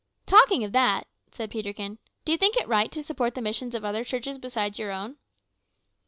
"Talking of that," said Peterkin, "do you think it right to support the missions of other churches besides your own?"